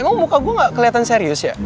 emang muka gue gak kelihatan serius ya